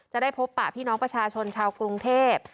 จะได้พบปะพี่น้องประชาชนชาวกรุงเทพ